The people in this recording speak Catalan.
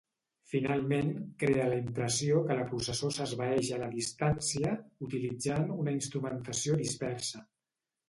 Finalment crea la impressió que la processó s'esvaeix a la distància utilitzant una instrumentació dispersa.